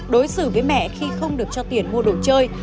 đối xử với mẹ khi không được cho tiền mua đồ chơi